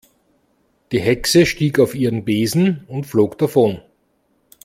Die Hexe stieg auf ihren Besen und flog davon.